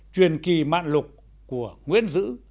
truyền kỳ mạng lục của nguyễn dữ